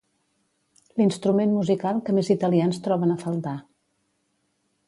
L'instrument musical que més italians troben a faltar.